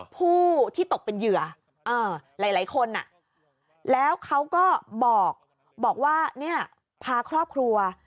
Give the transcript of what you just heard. ผู้ที่ตกเป็นเหยื่อหลายคนแล้วเขาก็บอกว่าเนี่ยพาครอบครัว